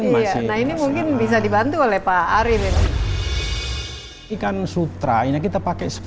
nah ini mungkin bisa dibantu oleh pak arief